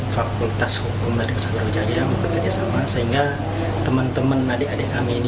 fakultas hukum dari pusat brawijaya bekerja sama sehingga teman teman adik adik kami ini